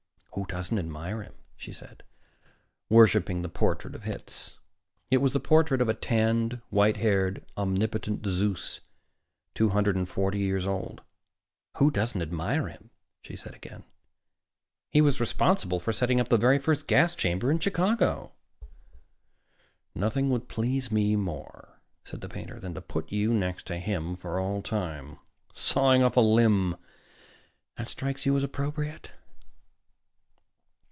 "Who doesn't admire him?" she said, worshiping the portrait of Hitz. It was the portrait of a tanned, white haired, omnipotent Zeus, two hundred and forty years old. "Who doesn't admire him?" she said again. "He was responsible for setting up the very first gas chamber in Chicago." "Nothing would please me more," said the painter, "than to put you next to him for all time. Sawing off a limb that strikes you as appropriate?"